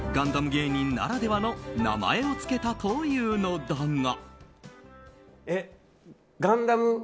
芸人ならではの名前を付けたというのだが。